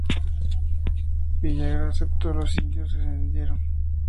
Villagra aceptó y los indios se rindieron.